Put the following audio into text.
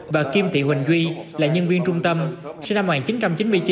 bà kim thị huỳnh duy là nhân viên trung tâm sinh năm một nghìn chín trăm chín mươi chín